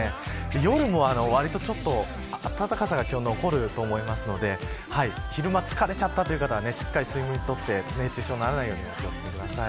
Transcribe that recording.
夜も割と暖かさが残ると思いますので昼間疲れちゃったという方はしっかり睡眠とって熱中症とならないようにお気を付けください。